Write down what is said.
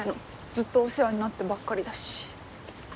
ずっとお世話になってばっかりだし。